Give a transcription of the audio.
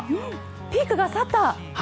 ピークが去った？